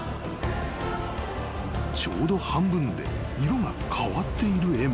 ［ちょうど半分で色が変わっている円も］